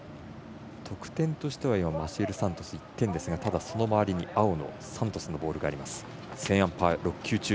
得点としてはマシエル・サントス、１点ですがただ、その周りに青のボールがあります。